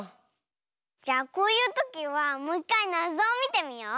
じゃこういうときはもういっかいなぞをみてみよう。